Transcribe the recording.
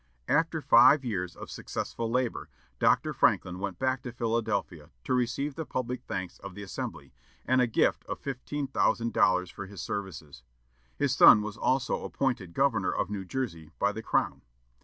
After five years of successful labor, Doctor Franklin went back to Philadelphia to receive the public thanks of the Assembly, and a gift of fifteen thousand dollars for his services. His son was also appointed governor of New Jersey, by the Crown.